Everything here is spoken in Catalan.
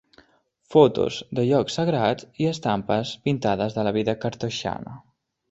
Fotos de llocs sagrats i estampes pintades de la vida cartoixana.